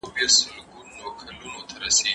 زه به سبا شګه پاک کړم